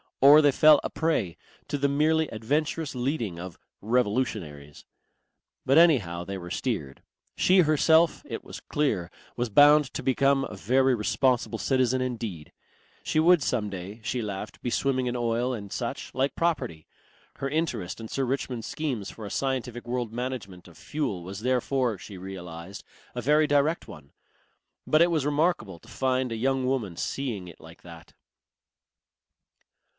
Or they fell a prey to the merely adventurous leading of "revolutionaries." But anyhow they were steered. She herself, it was clear, was bound to become a very responsible citizen indeed. She would some day, she laughed, be swimming in oil and such like property. Her interest in Sir Richmond's schemes for a scientific world management of fuel was therefore, she realized, a very direct one. But it was remarkable to find a young woman seeing it like that.